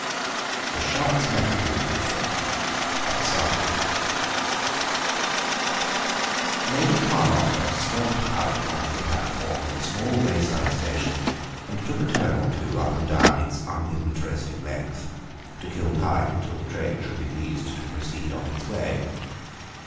THE SCHARTZ METTERKLUME METHOD Lady Carlotta stepped out on to the platform of the small wayside station and took a turn or two up and down its uninteresting length, to kill time till the train should be pleased to proceed on its way.